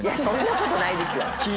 そんなことないですよ！